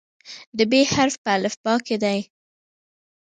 د "ب" حرف په الفبا کې دی.